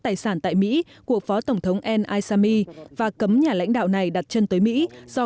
tài sản tại mỹ của phó tổng thống al asami và cấm nhà lãnh đạo này đặt chân tới mỹ do